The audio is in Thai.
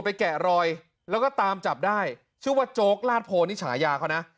แกะรอยแล้วก็ตามจับได้ชื่อว่าโจ๊กลาดโพนี่ฉายาเขานะ